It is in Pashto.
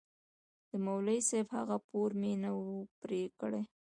د مولوي صاحب هغه پور مې نه و پرې کړى.